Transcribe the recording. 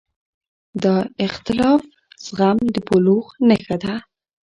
د اختلاف زغم د بلوغ نښه ده